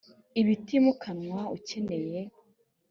ibitimukanwa ukeneye